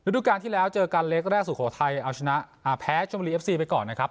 ดูการที่แล้วเจอกันเล็กแรกสุโขทัยเอาชนะแพ้ชมบุรีเอฟซีไปก่อนนะครับ